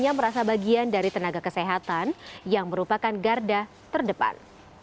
dan dirinya merasa bagian dari tenaga kesehatan yang merupakan garda terdepan